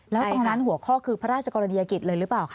แล้วตรงนั้นหัวข้อคือพระราชกรณียกิจเลยหรือเปล่าคะ